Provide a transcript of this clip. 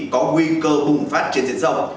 có nguy cơ bùng phát trên diện rộng